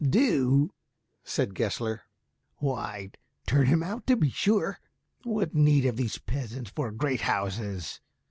"Do" said Gessler, "why, turn him out, to be sure. What need have these peasants for great houses?"